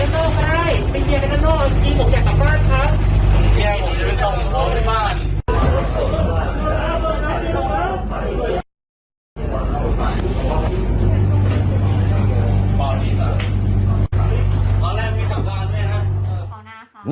ตอนแรกมีสำคัญเลยนะ